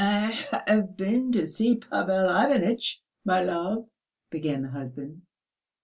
"I have been to see Pavel Ivanitch, my love," began the husband.